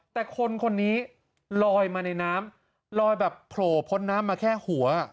แต่คนคนนี้ลอยมาในน้ำลอยแบบโผล่พ้นน้ำมาแค่หัว